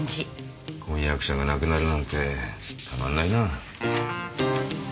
婚約者が亡くなるなんてたまんないな。